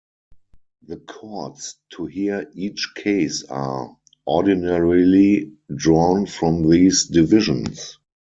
The courts to hear each case are, ordinarily, drawn from these divisions.